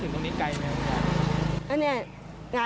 ถึงตรงนี้ไกลไหมครับคุณย่า